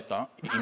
今。